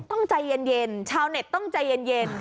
ใจเย็นชาวเน็ตต้องใจเย็น